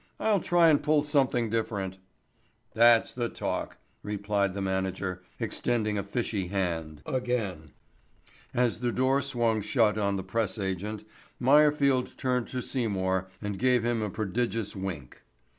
I'll try and pull something different." "That's the talk," replied the manager, extending a fishy hand again. As the door swung shut on the press agent, Meyerfield turned to Seymour and gave him a prodigious wink.